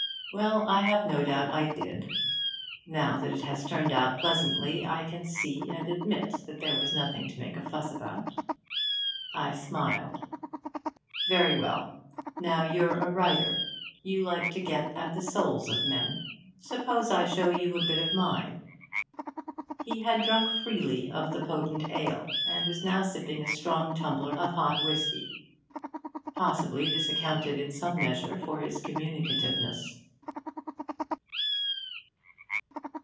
Well, I have no doubt I did. Now that it has turned out pleasantly, I can see and admit that there was nothing to make a fuss about.' I smiled. 'Very well. Now, you're a writer. You like to get at the souls of men. Suppose I show you a bit of mine.' He had drunk freely of the potent ale, and was now sipping a strong tumbler of hot whisky. Possibly this accounted in some measure for his communicativeness.